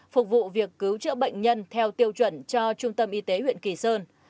phục vụ việc cứu trợ bệnh nhân theo tiêu chuẩn cho trung tâm y tế huyện kỳ sơn